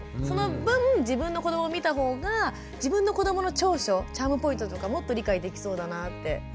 その分自分の子どもを見た方が自分の子どもの長所チャームポイントとかもっと理解できそうだなって。